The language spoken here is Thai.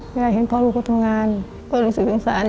เวลาเห็นพ่อลูกเขาทำงานก็รู้สึกสงสาร